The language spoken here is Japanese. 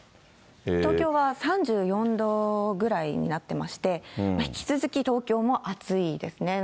東京は３４度ぐらいになってまして、引き続き東京も暑いですね。